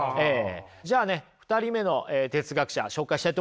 じゃあね２人目の哲学者紹介したいと思います。